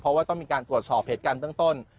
เพราะว่าต้องมีการตรวจสอบเหตุการณ์เบื้องต้น